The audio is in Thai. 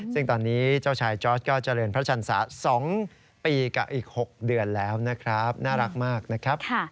ซึ่งตอนนี้เจ้าชายจอร์สก็เจริญพระชันศา๒ปีกับอีก๖เดือนแล้วนะครับน่ารักมากนะครับ